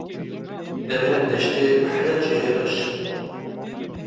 Deverên deştê heya Çiyayê reş